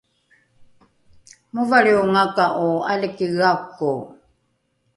movalriongaka’o ’aliki gako